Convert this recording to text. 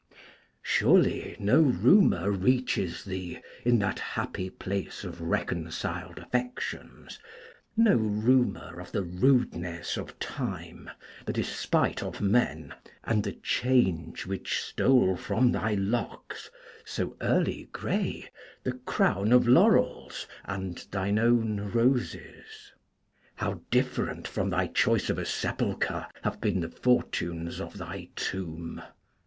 Surely no rumour reaches thee, in that happy place of reconciled affections, no rumour of the rudeness of Time, the despite of men, and the change which stole from thy locks, so early grey, the crown of laurels and of thine own roses. How different from thy choice of a sepulchre have been the fortunes of thy tomb!